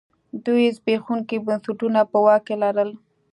دوی زبېښونکي بنسټونه په واک کې لرل.